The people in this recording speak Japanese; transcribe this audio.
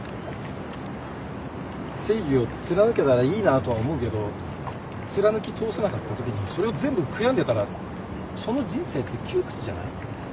正義を貫けたらいいなとは思うけど貫き通せなかったときにそれを全部悔やんでたらその人生って窮屈じゃない？